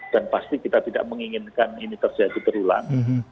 dan pasti kita tidak menginginkan ini terjadi berulang